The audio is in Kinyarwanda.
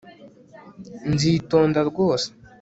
Nzitonda rwose